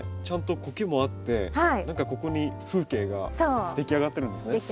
ちゃんとコケもあって何かここに風景ができ上がってるんですね。